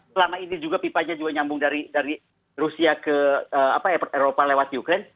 selama ini juga pipanya juga nyambung dari rusia ke eropa lewat ukraine